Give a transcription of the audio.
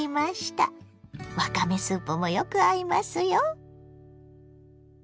わかめスープもよく合いますよ。